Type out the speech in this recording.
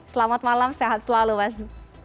selamat malam sehat selalu mas